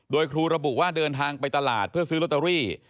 โดยครูระบุว่าเดินทางไปตลาดเพื่อซื้อลอตเตอรี่